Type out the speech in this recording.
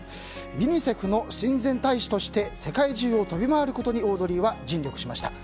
ユニセフの親善大使として世界中を飛び回ることにオードリーは尽力しました。